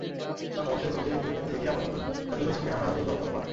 তারপর সেগুলোকে পরিত্যক্ত দেখিয়ে আবার নতুন খাদ্যশস্য কেনার নামে চলত অর্থ লোপাট।